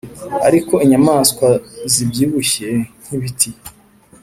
ariko inyamanswa zibyibushye nkibiti